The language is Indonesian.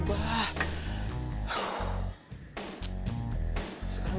begitulah kasih apaan